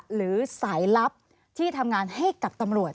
หรือสายลับที่ทำงานให้กับตำรวจ